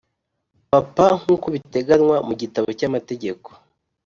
Papa nk uko biteganywa mu gitabo cy amategeko